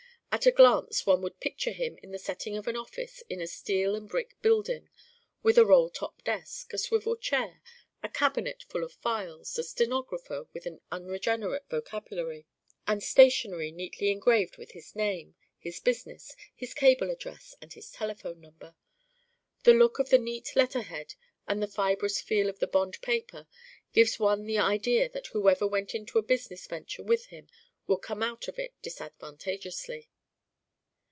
At a glance one would picture him in the setting of an office in a steel and brick building with a roll top desk, a swivel chair, a cabinet full of files, a stenographer with an unregenerate vocabulary, and stationery neatly engraved with his name, his business, his cable address and his telephone number. The look of the neat letterhead and the fibrous feel of the bond paper give one the idea that whoever went into a business venture with him would come out of it disadvantageously.